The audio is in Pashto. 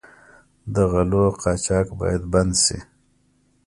د غلو قاچاق باید بند شي.